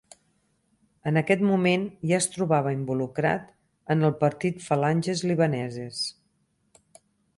En aquest moment ja es trobava involucrat en el partit Falanges Libaneses.